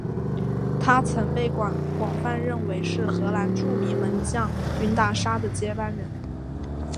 他曾被广泛认为是荷兰著名门将云达沙的接班人。